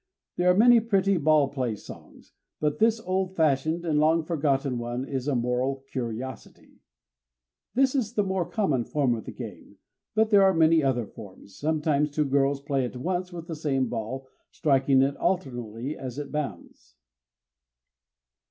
There are many pretty "ball play songs;" but this old fashioned and long forgotten one is a moral curiosity: This is the more common form of the game; but there are many other forms. Sometimes two girls play at once with the same ball striking it alternately as it bounds.